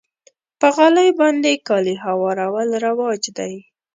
په غالۍ باندې کالي هوارول رواج دی.